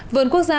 vườn quốc gia